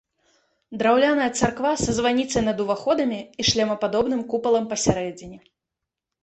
Драўляная царква са званіцай над уваходамі і шлемападобным купалам пасярэдзіне.